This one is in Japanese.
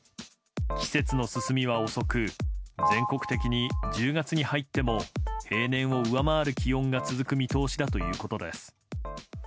季節の進みは遅く全国的に１０月に入っても平年を上回る気温が続く見通しだということです。